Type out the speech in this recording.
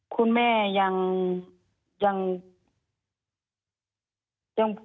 คุณแม่ยัง